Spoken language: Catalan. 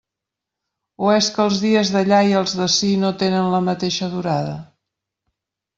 O és que els dies d'allà i els d'ací no tenen la mateixa durada?